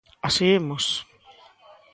¡Así imos!